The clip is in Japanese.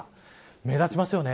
目立ちますよね。